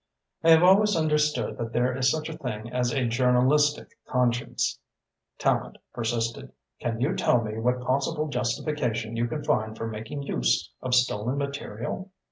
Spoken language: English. "I have always understood that there is such a thing as a journalistic conscience," Tallente persisted. "Can you tell me what possible justification you can find for making use of stolen material?"